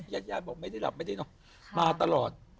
ยาบบอกไม่ได้หลับไม่ได้นอนมาตลอด